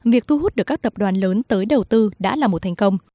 việc thu hút được các tập đoàn lớn tới đầu tư đã là một thành công